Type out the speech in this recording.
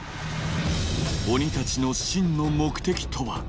鬼たちの真の目的とは？